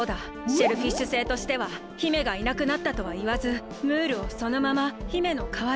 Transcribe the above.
シェルフィッシュ星としては姫がいなくなったとはいわずムールをそのまま姫のかわりとしてそだてたのだ。